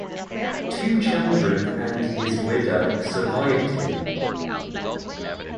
Two children and his widow survived him.